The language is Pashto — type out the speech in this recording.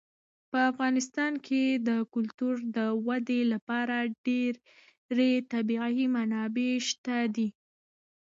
په افغانستان کې د کلتور د ودې لپاره ډېرې طبیعي منابع شته دي.